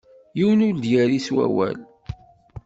Yiwen ur d-yerri s wawal.